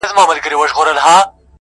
دا غرونه غرونه پـه واوښـتـل.